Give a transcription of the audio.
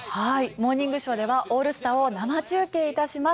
「モーニングショー」ではオールスターを生中継いたします。